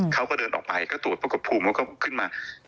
เค้าก็เดินออกไปก็ตรวจปรับประกบภูมิขึ้นมา